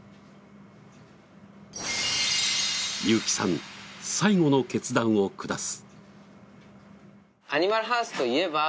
ユーキさん最後の決断を下す。